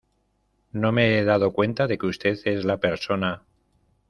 no me he dado cuenta de que usted es la persona